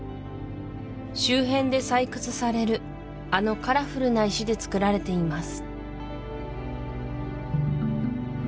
周辺で採掘されるあのカラフルな石で造られています